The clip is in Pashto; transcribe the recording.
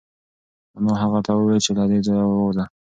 انا هغه ته وویل چې له دې ځایه ووځه.